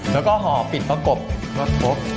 แล้วก็เหาะปิดเพราะกบก็พบ